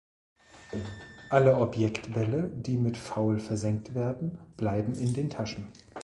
Alle Objektbälle, die mit Foul versenkt werden, bleiben in den Taschen.